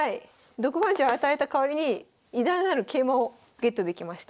毒まんじゅう与えた代わりに偉大なる桂馬をゲットできました。